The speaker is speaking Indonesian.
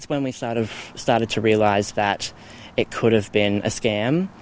saya mulai mengatakan bahwa itu mungkin adalah uang pembayaran